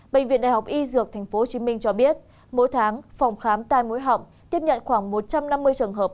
bệnh viện đại học y dược tp hcm cho biết mỗi tháng phòng khám tai mũi họng tiếp nhận khoảng một trăm năm mươi trường hợp